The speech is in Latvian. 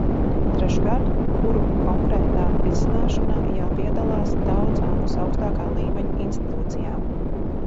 Treškārt, kuru konkrētā risināšanā jāpiedalās daudzām visaugstākā līmeņa institūcijām.